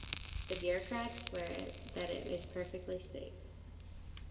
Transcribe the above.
The bureaucrats swear that it is perfectly safe.